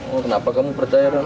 oh kenapa kamu percaya dong